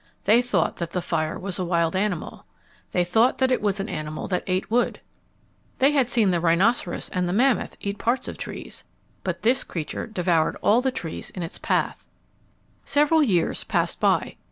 They thought that the fire was a wild animal. They thought that it was an animal that ate wood. They had seen the rhinoceros and the mammoth eat parts of trees, but this creature devoured all the trees in its path. Several years passed by.